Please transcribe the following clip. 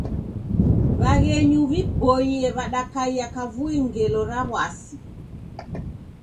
W'aghenyu w'iboie w'adakaia kavui ngelo ra w'asi.